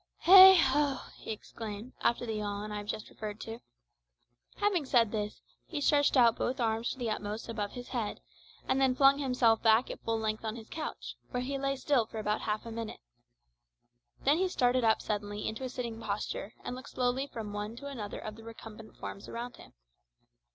"Heigh ho!" he exclaimed, after the yawn I have just referred to. Having said this, he stretched out both arms to the utmost above his head, and then flung himself back at full length on his couch, where he lay still for about half a minute. Then he started up suddenly into a sitting posture and looked slowly from one to another of the recumbent forms around him.